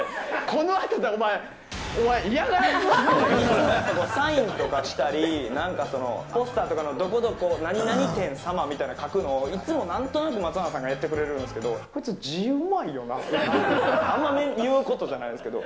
このあと、サインとかしたり、ポスターとかのどこどこ何々店様みたいな書くのを、いつもなんとなく松永さんがやってくれるんですけど、こいつ、字うまいよなって、あんまいうことじゃないですけど。